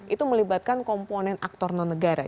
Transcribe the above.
itu melibatkan komponen aktor non negara